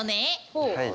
はい。